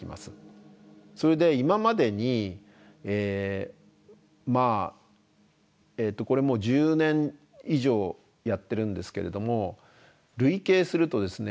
それで今までにこれもう１０年以上やってるんですけれども累計するとですね